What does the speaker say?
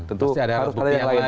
tentu harus ada yang lain